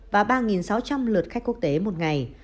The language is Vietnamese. và ba sáu trăm linh lượt khách quốc tế một ngày